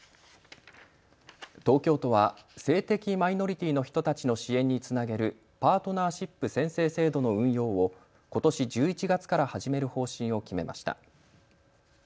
東京都は性的マイノリティーの人たちの支援につなげるパートナーシップ宣誓制度の運用をことし１１月から始める方針を決めました。